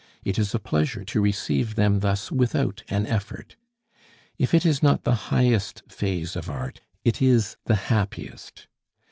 It is a pleasure to receive them thus without an effort; if it is not the highest phase of art, it is the happiest.